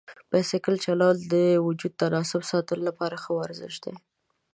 بایسکل چلول د وجود د تناسب ساتلو لپاره ښه ورزش دی.